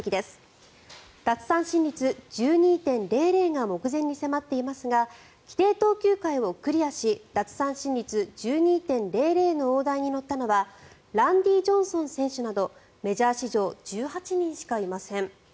１２．００が目前に迫っていますが規定投球回をクリアし奪三振率１２．００の大台に乗ったのはランディ・ジョンソン選手などメジャー史上１８人しかいません。